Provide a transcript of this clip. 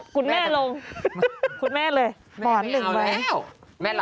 คุณแม่